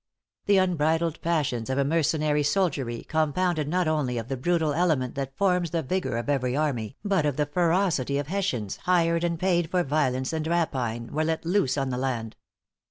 The unbridled passions of a mercenary soldiery, compounded not only of the brutal element that forms the vigor of every army, but of the ferocity of Hessians, hired and paid for violence and rapine, were let loose on the land.